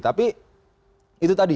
tapi itu tadi